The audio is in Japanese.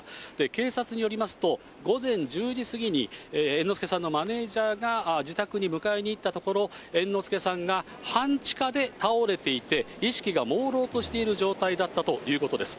警察によりますと、午前１０時過ぎに、猿之助さんのマネージャーが自宅に迎えに行ったところ、猿之助さんが半地下で倒れていて、意識がもうろうとしている状態だったということです。